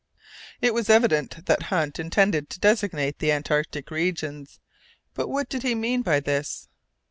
It was evident that Hunt intended to designate the Antarctic regions, but what did he mean by this?